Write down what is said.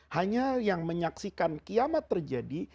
hanya yang menyaksikan kiamat terjadi